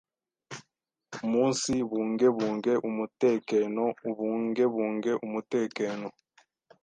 Umunsibungebunge umutekeno ubungebunge umutekeno